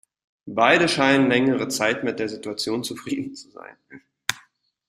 Beide scheinen längere Zeit mit der Situation zufrieden zu sein.